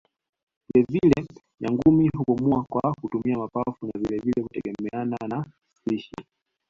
Vile vile Nyangumi hupumua kwa kutumia mapafu na vile vile hutegemeana na spishi